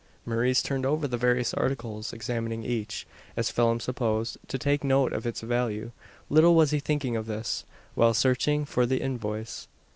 Maurice turned over the various articles, examining each, as Phelim supposed, to take note of its value. Little was he thinking of this, while searching for the "invoice."